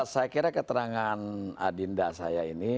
saya kira keterangan adinda saya ini